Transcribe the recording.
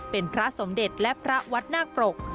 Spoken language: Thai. เป็นพระสมเด็จและพระวัดนาคปรก